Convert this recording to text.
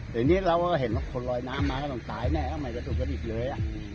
ทีนี้เราก็เห็นว่าคนลอยน้ำมาก็ต้องตายแน่ก็ไม่กระตุกกันอีกเลย